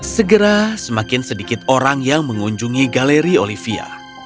segera semakin sedikit orang yang mengunjungi galeri olivia